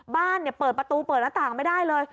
บ้านเนี่ยเปิดประตูเปิดระต่างไม่ได้เลย